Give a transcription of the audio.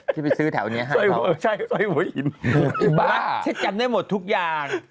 จะไปซื้อแถวนี้ห้าเท่าไหร่ครับโอ้โฮไอ้บ้าฉันจำได้หมดทุกอย่าง